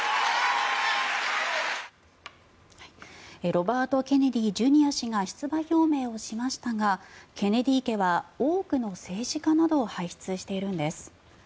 ロバート・ケネディ・ジュニア氏が出馬表明をしましたがケネディ家は多くの政治家などを輩出しているんです。